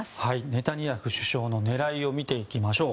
ネタニヤフ首相の狙いを見ていきましょう。